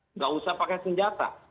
enggak usah pakai senjata